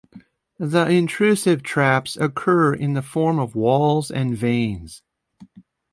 The intrusive traps occur in the form of walls and veins.